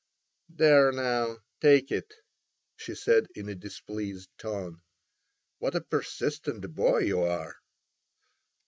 "There now, take it!" she said in a displeased tone; "what a persistent boy you are!"